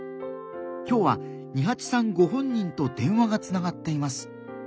今日はニハチさんご本人と電話がつながっています。